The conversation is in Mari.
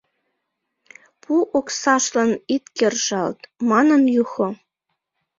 Пу оксаштлан ит кержалт, — манын Юхо.